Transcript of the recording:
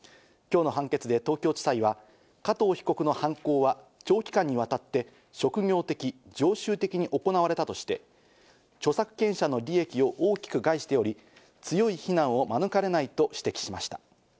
今日の判決で東京地裁は加藤被告の犯行は長期間にわたって職業的・常習的に行われたとして、著作権者の利益を大きく害しており、強い非難を免れないと指摘しました。